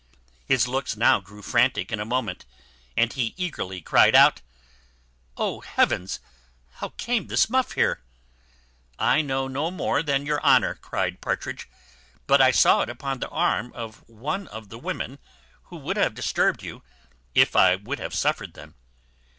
His looks now grew frantic in a moment, and he eagerly cried out, "Oh Heavens! how came this muff here?" "I know no more than your honour," cried Partridge; "but I saw it upon the arm of one of the women who would have disturbed you, if I would have suffered them."